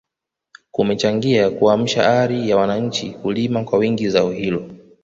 kumechangia kuamsha ari ya wananchi kulima kwa wingi zao hilo